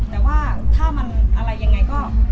แต่ว่าถ้าเป็นอะไรยังไง